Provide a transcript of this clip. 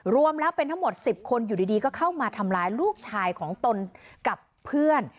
รวมแล้วเป็นทั้งหมด๑๐คนอยู่ดีก็เข้ามาทำร้ายลูกชายของตนกับเพื่อน